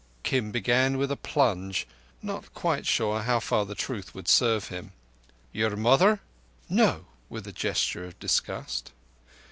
Kim began with a plunge, not quite sure how far the truth would serve him. "Your mother?" "No!"—with a gesture of disgust.